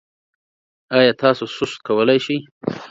ایا تاسو سست کولی شئ؟